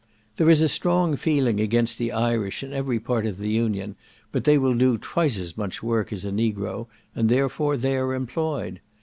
There is a strong feeling against the Irish in every part of the Union, but they will do twice as much work as a negro, and therefore they are employed.